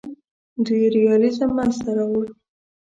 دوی ریالیزم منځ ته راوړ.